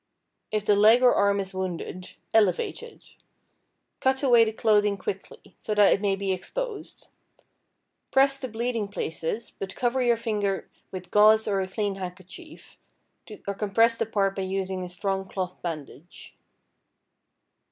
If the leg or arm is wounded, elevate it. Cut away the clothing quickly, so that it may be exposed. Press the bleeding places, but cover your finger with gauze or a clean handkerchief, or compress the part by using a strong cloth bandage.